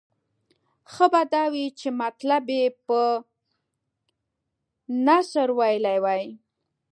ښه به دا وای چې مطلب یې په نثر ویلی وای.